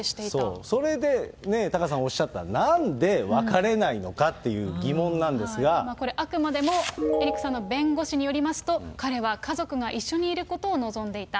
そう、それでね、タカさんおっしゃった、なんで別れないのかこれ、あくまでもエリックさんの弁護士によりますと、彼は家族が一緒にいることを望んでいた。